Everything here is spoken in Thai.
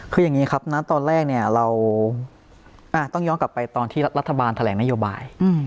คือตอนแรกเราต้องย้อนกลับไปตอนที่รัฐบาลแทลกนโยบาย